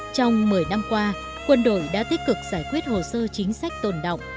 trong một mươi năm qua quân đội đã tích cực giải quyết hồ sơ chính sách tồn động